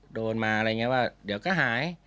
โดนมาอะไรอย่างนี้ว่าเดี๋ยวก็หาย